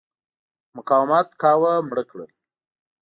مقاومت کاوه مړه کړل.